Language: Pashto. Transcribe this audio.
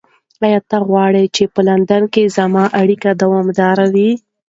ایا ته غواړې چې په لندن کې زموږ اړیکه دوامداره وي؟